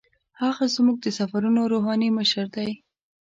هغه زموږ د سفرونو روحاني مشر دی.